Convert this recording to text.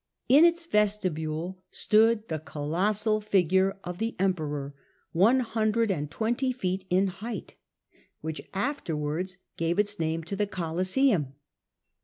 In its vestibule stood the colossal figure of the Emperor, one hundred and twenty feet in height, which afterwards gave its name to the Colosseum.